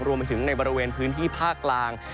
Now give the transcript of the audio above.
รวมไปถึงในบริเวณพื้นที่ภาคกลาง